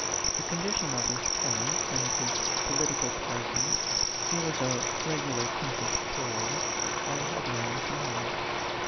The con dition of his tenants and of his political par ty he was a regular Kentish Tory lay heavy on his mind.